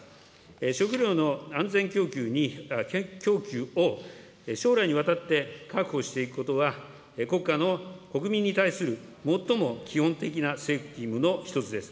食料の安全供給に、供給を、将来にわたって確保していくことは、国家の国民に対する最も基本的な責務の一つです。